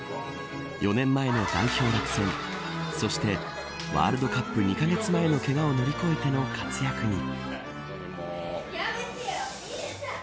４年前の代表落選そして、ワールドカップ２カ月前のけがを乗り越えての活躍に。